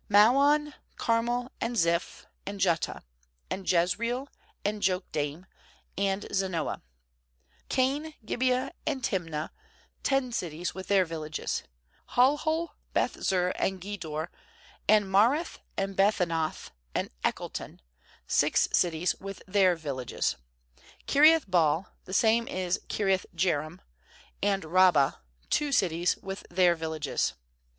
fisMaon, Carmel, and Ziph, and Juttah; Mand Jezreel, and Jokdeam, and Zanoah; 57Kain, Gibeah, and Tim nah; ten cities ^with then: villages. 58Halhul, Beth ^ur, and Gedor; B9and Maarath, and Beth anoth, and Eltekon; six cities with their villages. ^Kiriath baal — ^the same is Kiriath jearim, and Rabbah; two cities with their villages.